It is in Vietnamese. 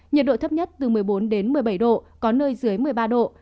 nhiệt độ thấp nhất từ một mươi bốn đến một mươi bảy độ có nơi dưới một mươi ba độ